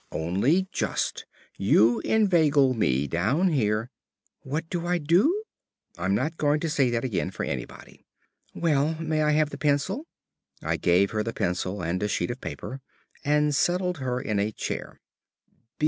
"Only just. You inveigle me down here " "What do I do?" "I'm not going to say that again for anybody." "Well, may I have the pencil?" I gave her the pencil and a sheet of paper, and settled her in a chair.